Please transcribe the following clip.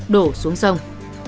đổ xuống sông